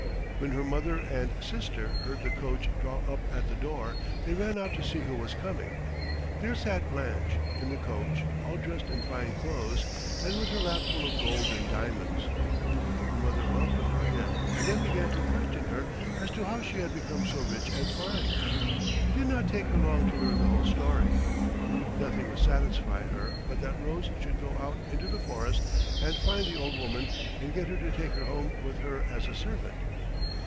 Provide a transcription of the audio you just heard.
When her mother and sister heard the coach draw up at the door they ran out to see who was coming. There sat Blanche in the coach, all dressed in fine clothes, and with her lap full of gold and diamonds. Her mother welcomed her in and then began to question her as to how she had become so rich and fine. It did not take her long to learn the whole story. Nothing would satisfy her but that Rose should go out into the forest, and find the old woman, and get her to take her home with her as a servant.